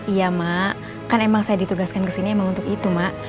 iya mak kan emang saya ditugaskan kesini emang untuk itu mak